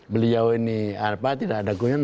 beliau ini apa